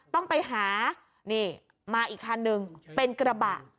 ต้องไปหานี่มาอีกคันนึงเป็นกระบะ